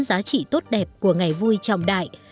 giá trị tốt đẹp của ngày vui trọng đại